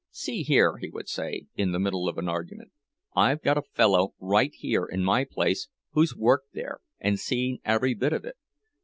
"See here," he would say, in the middle of an argument, "I've got a fellow right here in my place who's worked there and seen every bit of it!"